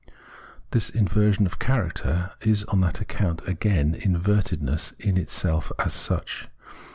This inversion of character, however, is on that account again invertedness in itself as such.